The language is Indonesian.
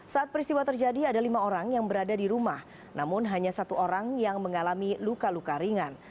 saat peristiwa terjadi ada lima orang yang berada di rumah namun hanya satu orang yang mengalami luka luka ringan